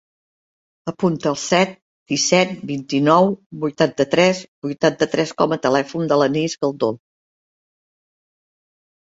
Apunta el set, disset, vint-i-nou, vuitanta-tres, vuitanta-tres com a telèfon de l'Anis Galdo.